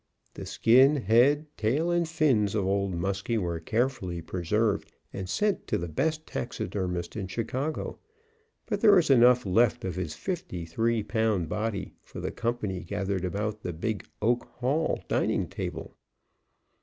The skin, head, tail and fins of Old Muskie were carefully preserved and sent to the best taxidermist in Chicago; but there was enough left of his fifty three pound body for the company gathered about the big "Oak Hall" dining table.